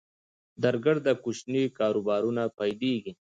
درګرده کوچني کاروبارونه پیلېږي